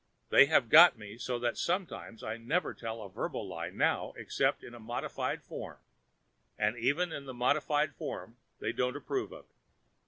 They have got me so that sometimes I never tell a verbal lie now except in a modified form; and even in the modified form they don't approve of it.